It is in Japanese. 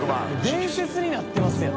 伝説になってますやん。